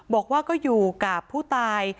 บอกว่าก็อยู่กับผู้ตาย